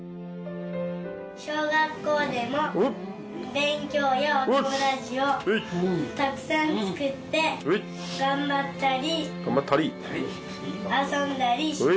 小学校でも勉強やお友達をたくさん作って頑張ったり遊んだりします。